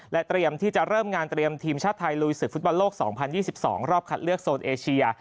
เตรียมที่จะเริ่มงานเตรียมทีมชาติไทยลุยศึกฟุตบอลโลก๒๐๒๒รอบคัดเลือกโซนเอเชีย